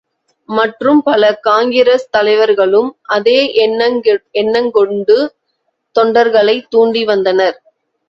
மற்றும் பல காங்கிரஸ் தலைவர்களும் அதே எண்ணங்கொண்டு தொண்டர்களைத் தூண்டி வந்தனர்.